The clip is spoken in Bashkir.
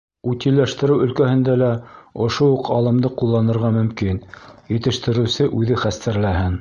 Утилләштереү өлкәһендә лә ошо уҡ алымды ҡулланырға мөмкин: етештереүсе үҙе хәстәрләһен.